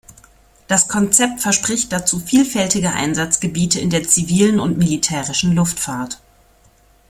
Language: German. Das Konzept verspricht dazu vielfältige Einsatzgebiete in der zivilen und militärischen Luftfahrt.